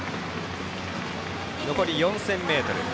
残り４０００ｍ。